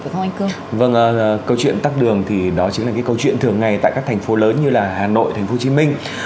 vâng câu chuyện tắt đường thì đó chính là cái câu chuyện thường ngày tại các thành phố lớn như là hà nội tp hcm